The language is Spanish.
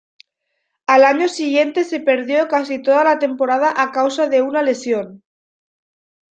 Al año siguiente se perdió casi toda la temporada a causa de una lesión.